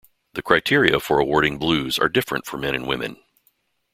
The criteria for awarding blues are different for men and women.